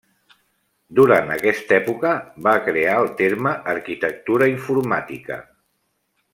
Durant aquesta època, va crear el terme arquitectura informàtica.